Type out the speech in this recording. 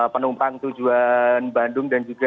penumpang tujuan bandung dan juga